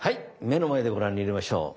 目の前でご覧に入れましょう。